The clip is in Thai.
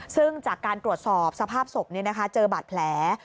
ซึ่งจากการตรวจสอบสภาพศพนี่นะคะเจอบัตรแผล